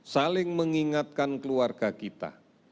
saling mengingatkan keluarga kita